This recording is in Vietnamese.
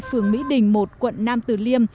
phường mỹ đình một quận nam từ liêm